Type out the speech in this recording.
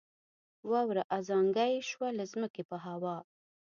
واوره ازانګه یې شوه له ځمکې په هوا